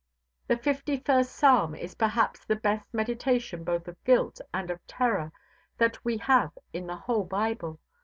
The fifty first Psalm is perhaps the best meditation both of guilt and of terror that we have in the whole Bible.